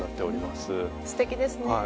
すてきですね。